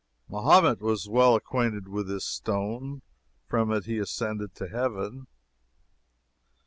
Mahomet was well acquainted with this stone. From it he ascended to heaven.